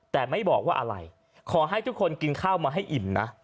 แต่ไม่บอกว่าอะไรขอให้ทุกคนกินข้าวมาให้อิ่มนะ